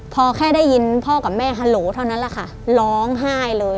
พอแค่ได้ยินพ่อกับแม่ฮัลโหลเท่านั้นแหละค่ะร้องไห้เลย